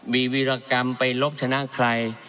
มีวิรกรรมไปลบชนะใคร